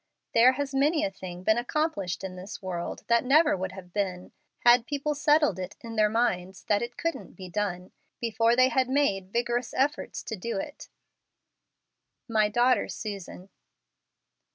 There has many a thing been accomplished in this world that never would have been, had people settled it in their minds that it couldn't be done before they had made vigorous efforts to do it. My Daughter Susan.